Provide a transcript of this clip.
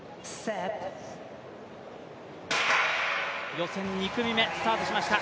予選２組目、スタートしました。